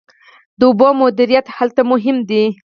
د اوبو مدیریت هلته مهم دی.